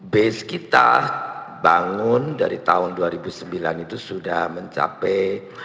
base kita bangun dari tahun dua ribu sembilan itu sudah mencapai